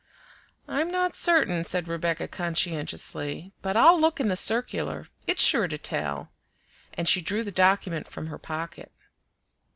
"I'm not certain," said Rebecca conscientiously, "but I'll look in the circular it's sure to tell;" and she drew the document from her pocket.